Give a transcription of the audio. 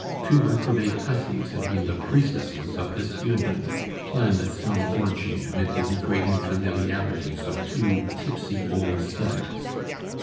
Two reprobate hussies had been the priestesses of this union planned at some orgy amid the degrading familiarities of two tipsy old sinners.